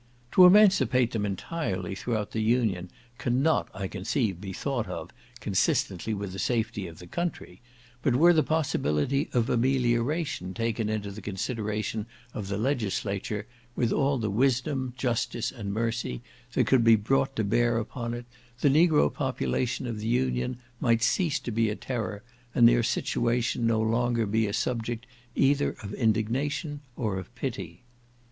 To emancipate them entirely throughout the Union cannot, I conceive, be thought of, consistently with the safety of the country; but were the possibility of amelioration taken into the consideration of the legislature, with all the wisdom, justice, and mercy, that could be brought to bear upon it, the negro population of the Union might cease to be a terror, and their situation no longer be a subject either of indignation or of pity.